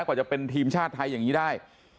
กว่าจะเป็นทีมชาติไทยอย่างนี้ได้